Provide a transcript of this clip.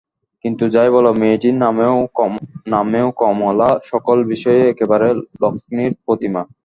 কিন্তু যাই বল, মেয়েটি নামেও কমলা, সকল বিষয়েই একেবারে লক্ষ্মীর প্রতিমা।